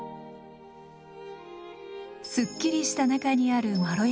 すっきりした中にあるまろやかさ。